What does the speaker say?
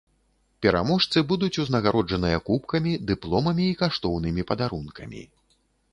Пераможцы будуць узнагароджаныя кубкамі, дыпломамі і каштоўнымі падарункамі.